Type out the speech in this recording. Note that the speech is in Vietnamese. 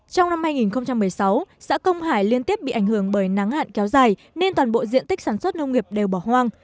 trong năm hai nghìn một mươi sáu xã công hải liên tiếp bị ảnh hưởng bởi nắng hạn kéo dài nên toàn bộ diện tích sản xuất nông nghiệp đều bỏ hoang